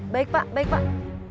baik pak baik pak